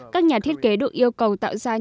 các nhà thiết kế được yêu cầu tạo ra những vật thể ảo